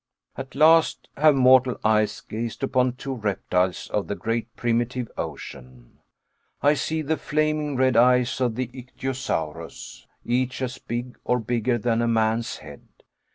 At last have mortal eyes gazed upon two reptiles of the great primitive ocean! I see the flaming red eyes of the Ichthyosaurus, each as big, or bigger than a man's head.